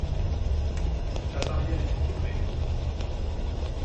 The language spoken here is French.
La barrière était tout près.